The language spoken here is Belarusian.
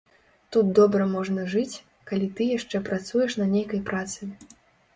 Тут добра можна жыць, калі ты яшчэ працуеш на нейкай працы.